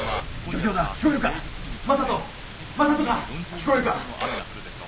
聞こえるか？